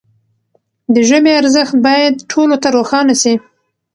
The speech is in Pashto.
د ژبي ارزښت باید ټولو ته روښانه سي.